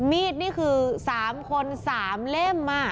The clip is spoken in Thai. มีดนี่คือ๓คน๓เล่ม